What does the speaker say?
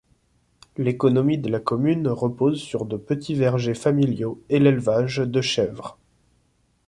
L'économie de la commune repose sur de petits vergers familiaux et l'élevage de chèvres.